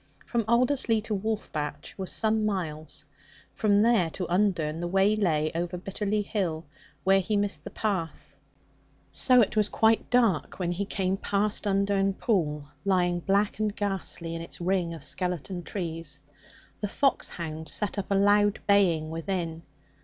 From Alderslea to Wolf batch was some miles; from there to Undern the way lay over Bitterly Hill, where he missed the path. So it was quite dark when he came past Undern Pool, lying black and ghastly in its ring of skeleton trees. The foxhound set up a loud baying within.